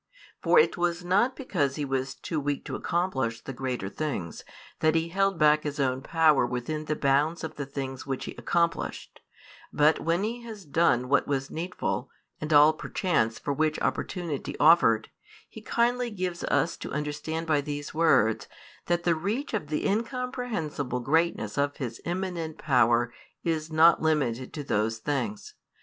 For it was not because He was too weak to accomplish the greater things, that He held back His own power within the bounds of the things which He accomplished; but when He has done what was needful, and all perchance for which opportunity offered, He kindly gives us to understand by these words, that the reach of the incomprehensible greatness of His immanent power is not limited to those things.